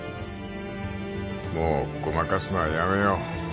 もうごまかすのはやめよう